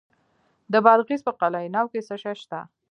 د بادغیس په قلعه نو کې څه شی شته؟